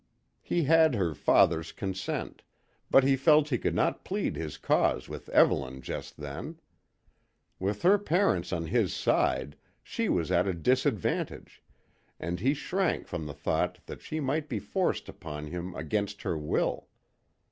He had her father's consent, but he felt he could not plead his cause with Evelyn just then. With her parents on his side, she was at a disadvantage, and he shrank from the thought that she might be forced upon him against her will.